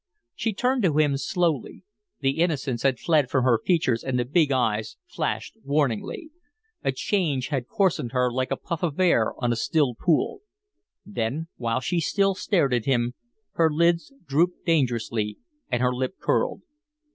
She turned to him slowly. The innocence had fled from her features and the big eyes flashed warningly. A change had coarsened her like a puff of air on a still pool. Then, while she stared at him, her lids drooped dangerously and her lip curled.